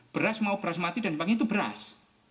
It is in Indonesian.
beras mau beras mati dan bank itu beras